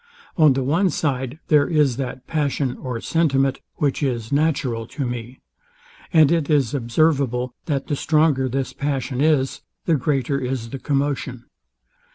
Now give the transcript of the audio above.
On the one side there is that passion or sentiment, which is natural to me; and it is observable, that the stronger this passion is, the greater is the commotion.